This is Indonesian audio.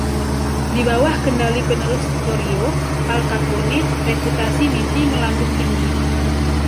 Di bawah kendali penerus Torrio, Al Capone, reputasi Nitti melambung tinggi.